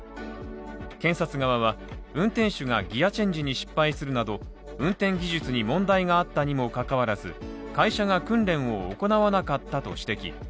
検察側は、運転手がギアチェンジに失敗するなど、運転技術に問題があったにもかかわらず、会社が訓練を行わなかったと指摘。